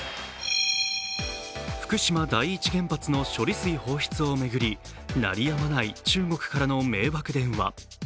福島第一原発の処理水放出を巡り鳴りやまない中国からの迷惑電話。